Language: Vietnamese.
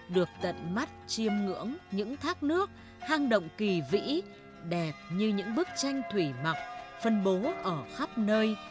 được tận mắt chiêm ngưỡng những thác nước hang động kỳ vĩ đẹp như những bức tranh thủy mặc phân bố ở khắp nơi